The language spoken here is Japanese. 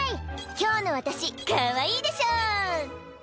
今日の私かわいいでしょ」